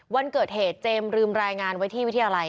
วันเกิดเหตุเจมส์ลืมรายงานไว้ที่วิทยาลัย